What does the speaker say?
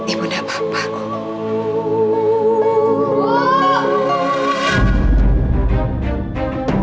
ibu gak apa apa